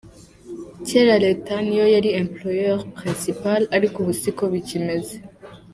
Kera leta niyo yari employeur principal ariko ubu siko bikimeze.